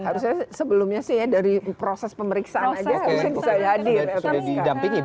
harusnya sebelumnya sih ya dari proses pemeriksaan aja mungkin bisa hadir didampingi